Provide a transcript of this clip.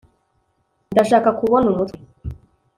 ndashaka kubona umutwe